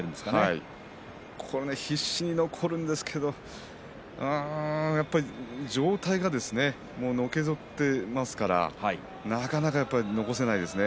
必死に残るんですけども平戸海、上体がですねのけぞってますからなかなか、残せないですね。